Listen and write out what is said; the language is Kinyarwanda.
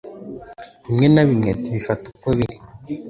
bimwe na bimwe tubifata uko biri